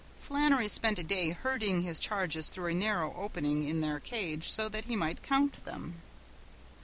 Flannery spent a day herding his charges through a narrow opening in their cage so that he might count them.